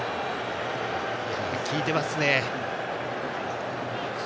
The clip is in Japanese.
効いていますね。